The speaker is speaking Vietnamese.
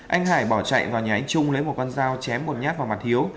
anh hải bỏ chạy vào nhà anh trung lấy một con dao chém một nhát vào mặt hiếu